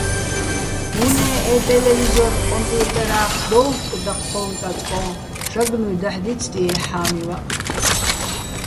უ̂ნე ე ტელევიზორ-კომპიუტერა́ხ დოუხკო̆ დაჴჴოჼ-კაწკოჼ, ჟაგნუ́ჲ დაჰ̦ დიცდიეჼ ჰ̦ა́მივაჸ.